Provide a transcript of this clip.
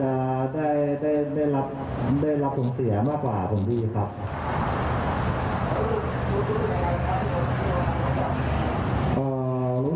เพราะว่าบางทีเราอาจจะได้ได้ได้ได้รับส่งเสียมากว่าส่งดีครับ